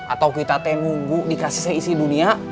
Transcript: atau kita teh nunggu dikasih seisi dunia